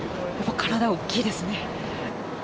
体、大きいですね。